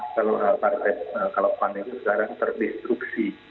kalau hal partai kalau pandemi sekarang terdestruksi